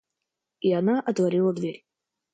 И она отворила дверь.